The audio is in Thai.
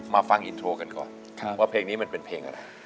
ฟังอินโทรกันก่อนว่าเพลงนี้มันเป็นเพลงอะไร